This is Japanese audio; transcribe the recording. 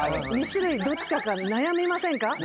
２種類どっちかか悩みませんか？